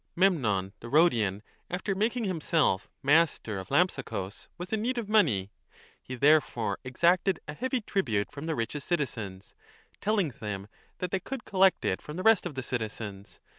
Memnon, the Rhodian, after making himself master i35i b of Lampsacus, was in need of money. He therefore exacted a heavy tribute from the richest citizens, telling them that they could collect it from the rest of the citizens.